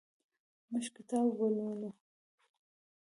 موږ کتاب لولو.